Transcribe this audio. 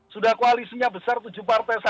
sudah koalisinya besar tujuh partai saja